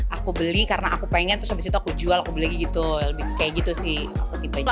aku beli karena aku pengen terus abis itu aku jual aku beli gitu lebih kayak gitu sih aku tipenya